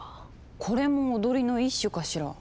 これも踊りの一種かしら？